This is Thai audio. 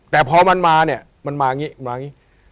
แต่พอมันมาเนี่ย